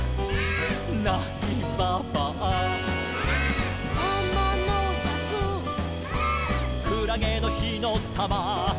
「なきばばあ」「」「あまのじゃく」「」「くらげのひのたま」「」